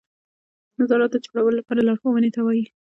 نظارت د جوړولو لپاره لارښوونې ته وایي.